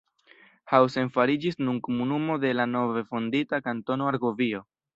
Hausen fariĝis nun komunumo de la nove fondita Kantono Argovio.